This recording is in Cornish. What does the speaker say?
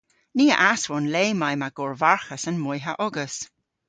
Ni a aswon le may ma gorvarghas an moyha ogas.